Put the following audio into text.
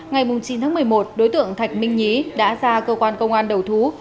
ngày chín tháng một mươi một đối tượng thạch minh nhí đã ra cơ quan công an đầu thú